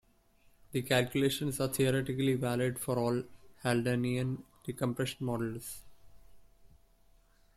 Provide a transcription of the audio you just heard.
The calculations are theoretically valid for all Haldanean decompression models.